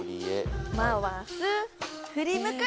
回す振り向く！